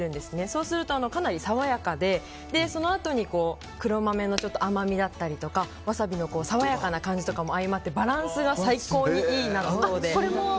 そうすると、かなり爽やかでそのあとに黒豆の甘みだったりワサビの爽やかな感じも相まってバランスが最高にいい納豆で。